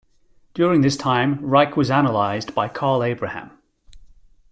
During this time, Reik was analyzed by Karl Abraham.